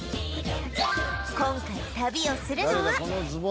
今回旅をするのは